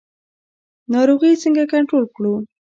ناروغي څنګه کنټرول کړو؟